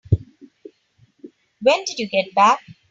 When did you get back?